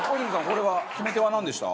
これは決め手はなんでした？